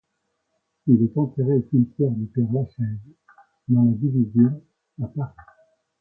Il est enterré au cimetière du Père-Lachaise, dans la division, à Paris.